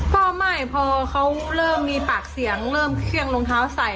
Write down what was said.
พ่อใหม่พ่อเขาเริ่มมีปากเสียงเริ่มเคลื่อนไช่